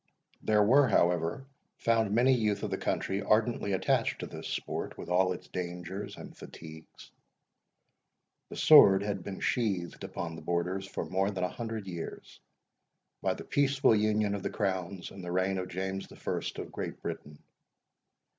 There were, however, found many youth of the country ardently attached to this sport, with all its dangers and fatigues. The sword had been sheathed upon the Borders for more than a hundred years, by the peaceful union of the crowns in the reign of James the First of Great Britain.